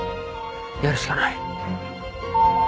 やるしかない。